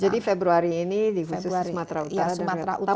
jadi februari ini di khusus sumatera utara dan riau